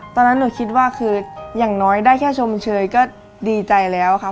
ตอนนั้นหนูคิดว่าคืออย่างน้อยได้แค่ชมเชยก็ดีใจแล้วค่ะ